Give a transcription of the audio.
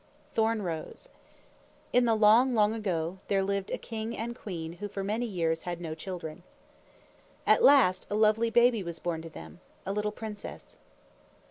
THORN ROSE In the long, long ago, there lived a king and queen who for many years had no children. At last a lovely baby was born to them a little princess.